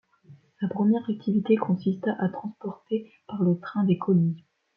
Sa première activité consista à transporter par le train des colis.